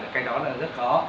cái đó là rất khó